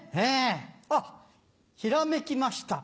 あっひらめきました。